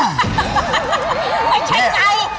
ไม่ใช่ไก่